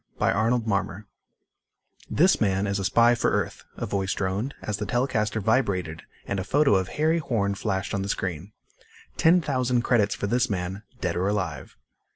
By Arnold Marmor "This man is a spy for Earth," a voice droned, as the telecaster vibrated and a photo of Harry Horn flashed on the screen. "Ten thousand credits for this man, dead or alive.